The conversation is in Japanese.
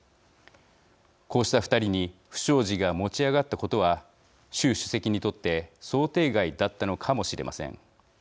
こうした２人に不祥事が持ち上がったことは習主席にとって想定外だったのかもしれません。